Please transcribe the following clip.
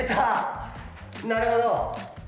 なるほど！